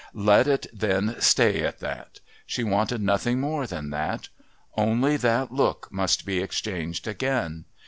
Let it then stay at that. She wanted nothing more than that. Only that look must be exchanged again.